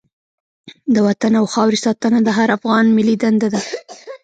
د وطن او خاورې ساتنه د هر افغان ملي دنده ده.